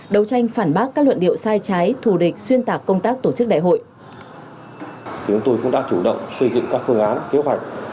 đấu tranh phản bác các luận điệu sai trái thù địch xuyên tạc công tác tổ chức đại hội